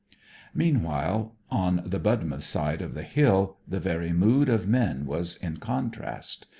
Meanwhile, on the Budmouth side of the hill the very mood of men was in contrast.